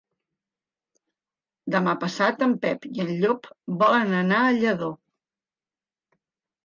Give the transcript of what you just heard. Demà passat en Pep i en Llop volen anar a Lladó.